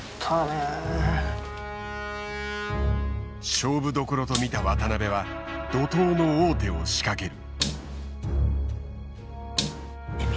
勝負どころと見た渡辺は怒とうの王手を仕掛ける。